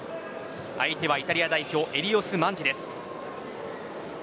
相手はイタリア代表エリオス・マンジです。